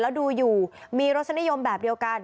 แล้วดูอยู่มีรสนิยมแบบเดียวกัน